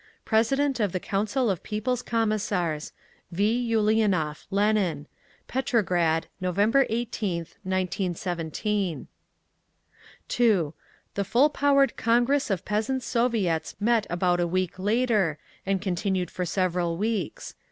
President of the Council of People's Commissars, V. ULIANOV (LENIN). Petrograd, November 18th, 1917. 2. The full powered Congress of Peasants' Soviets met about a week later, and continued for several weeks.